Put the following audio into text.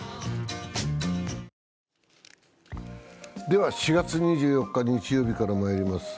では、４月２４日日曜日からまいります。